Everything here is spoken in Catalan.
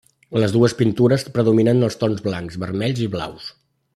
En les dues pintures predominen els tons blancs, vermells i blaus.